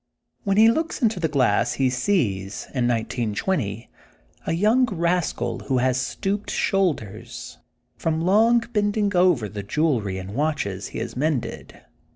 When he looks into the glass he sees, in 1920^ a young rascal who has stooped shoulders, from long bending over the jewelry and watches he has mended.